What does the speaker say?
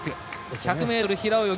１００ｍ平泳ぎ